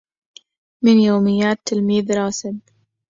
من يوميات تلميذ راسب